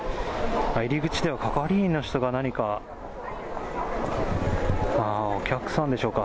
入り口では係員の人が何か、お客さんでしょうか。